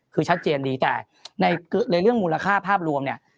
คือชัดเจนดีแต่ในเรื่องมูลค่าภาพรวมเนี่ย